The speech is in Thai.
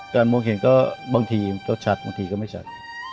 มองเห็นก็บางทีมันก็ชัดบางทีก็ไม่ชัด